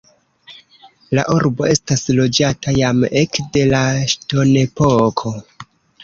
La urbo estas loĝata jam ekde la ŝtonepoko.